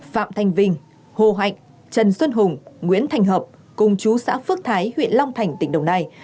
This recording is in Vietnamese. phạm thanh vinh hồ hạnh trần xuân hùng nguyễn thành hợp cùng chú xã phước thái huyện long thành tỉnh đồng nai